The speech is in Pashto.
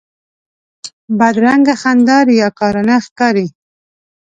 بدرنګه خندا ریاکارانه ښکاري